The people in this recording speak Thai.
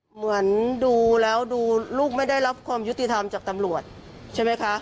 เหมือนดูแล้วดูลูกไม่ได้รับความยุติธรรมจากตำรวจใช่ไหมคะ